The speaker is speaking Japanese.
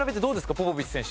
ポポビッチ選手。